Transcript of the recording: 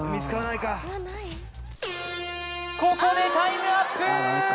ここでタイムアップ！